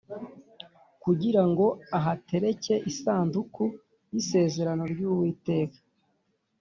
kugira ngo ahatereke isanduku y’isezerano ry’Uwiteka